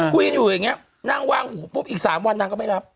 คุยกันอยู่อย่างนี้นางวางหูปุ๊บอีก๓วันนางก็ไม่รับ